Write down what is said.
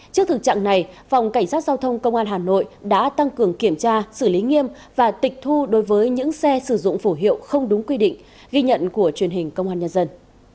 trước thực trạng này phòng cảnh sát giao thông công an hà nội đã tăng cường kiểm tra xử lý nghiêm và tịch thu đối với những xe sử dụng phổ hiệu không đúng quy định ghi nhận của truyền hình công an nhân dân